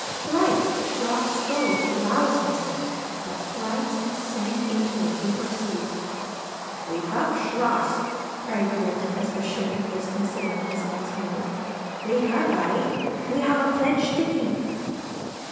Thrice Chluas strove to rouse himself, but thrice he sank into a deeper sleep. ' Wake up, Chluas !' cried Grunne, as Bechunach was con sidering his next move. ' Wake up I We have a pledge to keep.'